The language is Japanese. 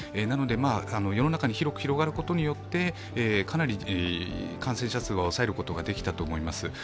なので世の中に広く広がることによって、かなり感染者数は抑えることができたと思います。